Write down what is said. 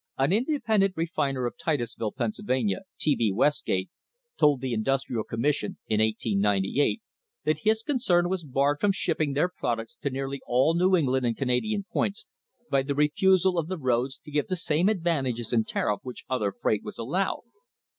An independent refiner of Titusville, Pennsylvania, T. B. Westgate, told the Industrial Commission in 1898 that his concern was barred from shipping their products to nearly all New England and Canadian points by the refusal of the roads to give the same advantages in tariff which other freight was allowed.